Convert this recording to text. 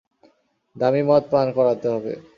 দামী মদ পান করাতে হবে।